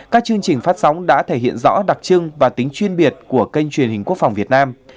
các chương trình phát sóng đã thể hiện rõ đặc trưng và tính chuyên biệt của kênh truyền hình quốc phòng việt nam